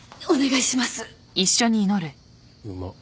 うまっ。